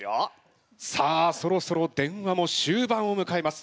さあそろそろ電話も終盤をむかえます。